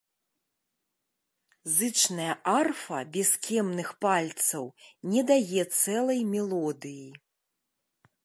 Зычная арфа без кемных пальцаў не дае цэлай мелодыі.